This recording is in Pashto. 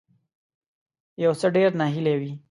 یو څه ډیر ناهیلی وي